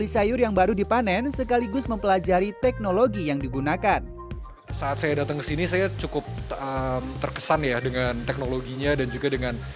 karena kita bisa memprediksikannya